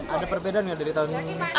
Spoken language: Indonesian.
ada perbedaan nggak dari tahun ini